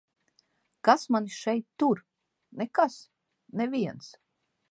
Kas mani šeit tur? Nekas. Neviens.